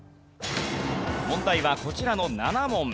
問題はこちらの７問。